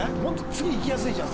次いきやすいじゃん。